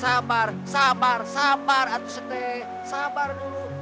sabar sabar sabar atusete sabar dulu